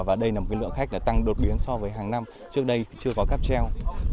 và đây là một lượng khách tăng đột biến so với hàng năm trước đây chưa có cáp treo